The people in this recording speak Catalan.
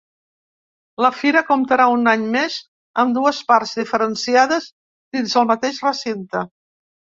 La fira comptarà un any més amb dues parts diferenciades dins el mateix recinte.